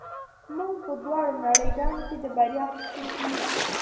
موږ په دواړو نړۍ ګانو کې د بریا غوښتونکي یو